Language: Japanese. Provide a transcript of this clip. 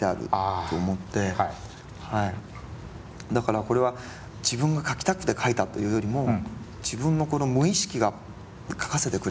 だからこれは自分が書きたくて書いたというよりも自分のこの無意識が書かせてくれたような。